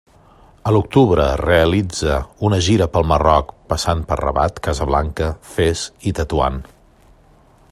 A l'octubre realitza una gira pel Marroc, passant per Rabat, Casablanca, Fes i Tetuan.